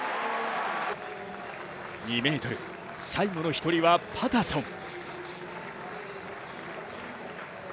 ２ｍ、最後の一人はパタソン。